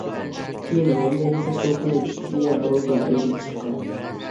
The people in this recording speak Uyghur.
كېيىن مۇمىيا ياساش دولقۇنى سىتسىلىيە ئارىلىدا ئەۋجىگە چىققان.